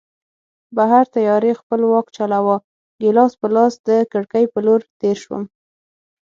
بهر تیارې خپل واک چلاوه، ګیلاس په لاس د کړکۍ په لور تېر شوم.